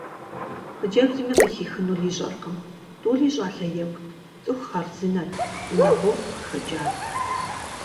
Хъыджэбзми къыхихынур ищӏэркъым: тӏури щӏалэ екӏут, цӏыху хъарзынэт, унагъуэфӏ къыхэкӏат.